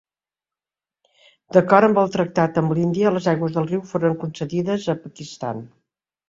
D'acord amb el tractat amb l'Índia, les aigües del riu foren concedides a Pakistan.